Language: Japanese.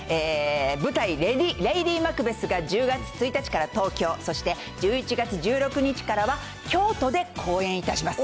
舞台、レイディマクベスが１０月１日から東京、そして１１月１６日からは京都で公演いたします。